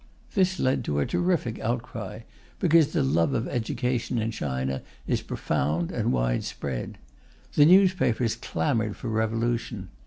This led to a terrific outcry, because the love of education in China is profound and widespread. The newspapers clamoured for revolution.